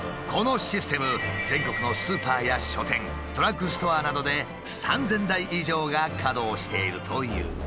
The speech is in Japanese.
このシステム全国のスーパーや書店ドラッグストアなどで３，０００台以上が稼働しているという。